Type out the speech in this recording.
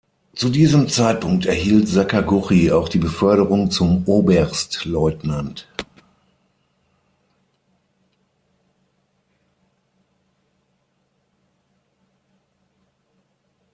Zu diesem Zeitpunkt erhielt Sakaguchi auch die Beförderung zum Oberstleutnant.